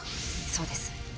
そうです。